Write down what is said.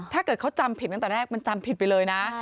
ถ้าเกิดเขาจำผิดตั้งแต่แรกมันจำผิดไปเลยนะ